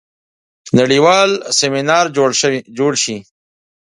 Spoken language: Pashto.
نړیوال سیمینار جوړ شي.